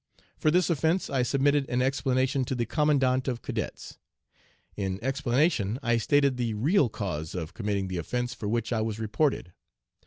For this offence I submitted an explanation to the Commandant of Cadets. In explanation I stated the real cause of committing the offence for which I was reported.